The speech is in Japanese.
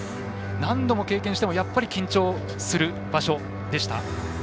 何度も経験してもやっぱり緊張する場所でした？